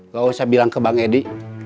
gak usah bilang ke bang edi